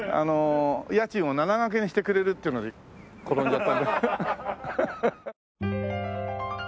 家賃を７掛けにしてくれるっていうので転んじゃった。